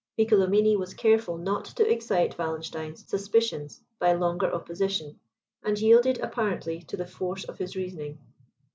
Piccolomini was careful not to excite Wallenstein's suspicions by longer opposition, and yielded apparently to the force of his reasoning.